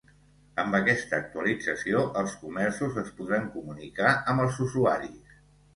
Amb aquesta actualització, els comerços es podran comunicar amb els usuaris.